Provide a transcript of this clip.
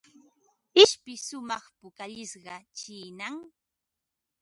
Ishpi shumaq pukallishqa chiinam.